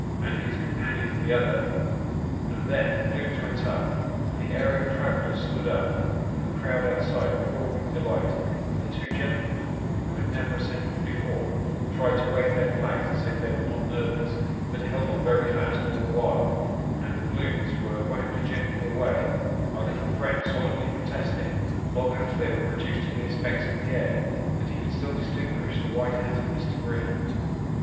and his companion the other ; and then the balloons went up, and the aerial travellers stood up, and the crowd outside roared with delight, and the two gentlemen who had never ascended before, tried to wave their flags, as if they were not nervous, but held on very fast all the while ; and the balloons were wafted gently away, our little friend solemnly protesting, long after they were reduced to mere specks in the air, that he could still distinguish the white hat of Mr. Green.